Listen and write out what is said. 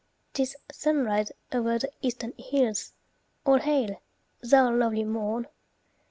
'Tis sunrise o'er the eastern hills. All hail! thou lovely morn!